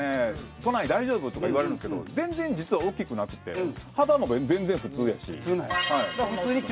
「都内大丈夫？」とか言われるんですけど全然実は大きくなくて幅も全然普通やし。普通なんや。